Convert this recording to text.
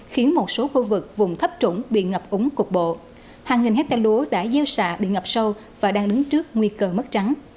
khiến một số khu vực vùng thấp trũng bị ngập úng cục bộ hàng nghìn hecta lúa đã gieo xạ bị ngập sâu và đang đứng trước nguy cơ mất trắng